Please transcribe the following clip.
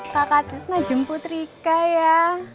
kakak tisna jemput rika ya